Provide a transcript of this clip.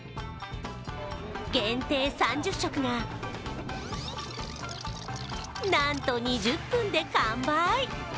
限定３０食がなんと２０分で完売。